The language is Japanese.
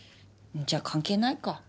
じゃ関係ないか。